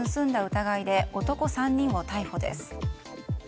疑いで男３人を逮捕です。